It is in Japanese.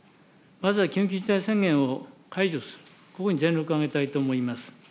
まずは緊急事態宣言を解除する、ここに全力を挙げたいと思います。